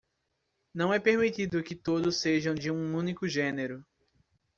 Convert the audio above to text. Não é permitido que todos sejam de um único gênero